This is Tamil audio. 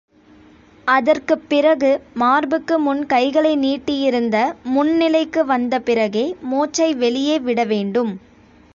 அதற்குப் பிறகு, மார்புக்கு முன் கைகளை நீட்டியிருந்த முன் நிலைக்கு வந்த பிறகே, மூச்சை வெளியே விட வேண்டும்.